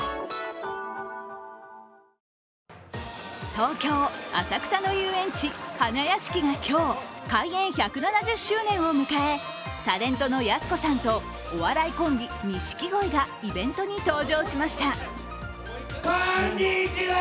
東京・浅草の遊園地花やしきが今日、開園１７０周年を迎えタレントのやす子さんとお笑いコンビ・錦鯉がイベントに登場しました。